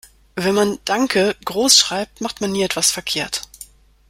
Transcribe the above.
Wenn man "Danke" groß schreibt, macht man nie etwas verkehrt.